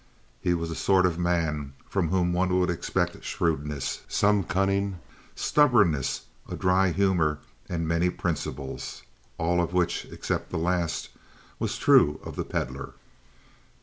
He was the sort of a man from whom one would expect shrewdness, some cunning, stubbornness, a dry humor, and many principles. All of which, except the last, was true of the Pedlar.